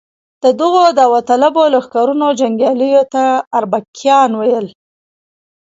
د دغو داوطلبو لښکرونو جنګیالیو ته اربکیان ویل.